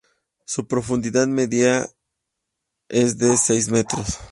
Su profundidad media es de seis metros.